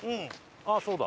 あっそうだ。